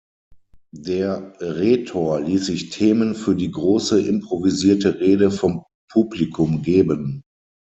Der Rhetor ließ sich Themen für die große improvisierte Rede vom Publikum geben.